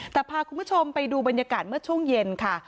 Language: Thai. แต่พาคุณผู้ชมไปดูบรรยากาศเมื่อช่วงเย็นค่ะ